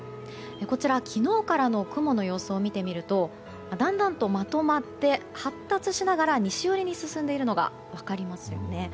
こちらは昨日からの雲の様子を見てみるとだんだんとまとまって発達しながら西寄りに進んでいるのが分かりますよね。